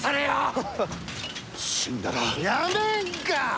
やめんか！